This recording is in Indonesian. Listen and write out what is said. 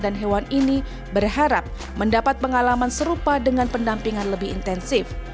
dan hewan ini berharap mendapat pengalaman serupa dengan pendampingan lebih intensif